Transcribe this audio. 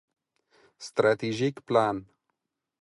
ستراتیژیک پلان